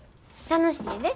楽しいで。